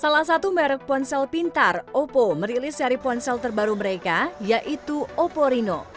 salah satu merek ponsel pintar oppo merilis seri ponsel terbaru mereka yaitu oppo reno